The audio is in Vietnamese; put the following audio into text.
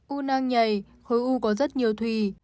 u nang nhầy khối u có rất nhiều thùy